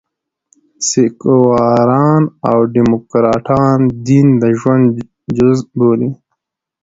سیکواران او ډيموکراټان دین د ژوند جزء بولي.